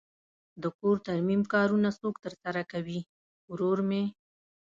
د کور ترمیم کارونه څوک ترسره کوی؟ ورور می